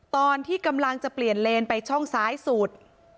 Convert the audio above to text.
ตอนที่กำลังจะเปลี่ยนเลนไปช่องซ้ายสุด